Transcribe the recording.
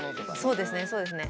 そうですねそうですね。